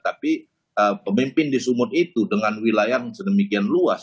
tapi pemimpin di sumut itu dengan wilayah yang sedemikian luas